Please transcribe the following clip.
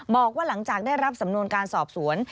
บอกว่าหลังจากได้รับสำนวนการสอบสวน